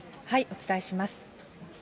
お伝えします。